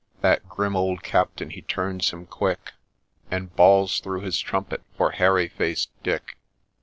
' That grim old Captain he turns him quick, And bawls through his trumpet for Hairy faced Dick.